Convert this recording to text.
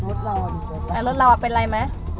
รถรอเป็นไรไหม